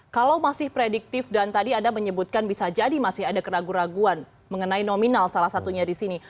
kalau masih prediktif dan tadi anda menyebutkan bisa jadi masih ada keraguan keraguan mengenai nominal salah satunya di sini